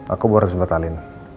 aku baru bisa bertalin